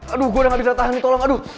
aduh gua udah gabisa tahan nih tolong aduh